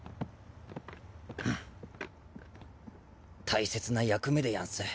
大切な役目でやんす。